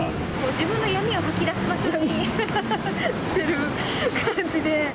自分の闇を吐き出す場所にしてる感じで。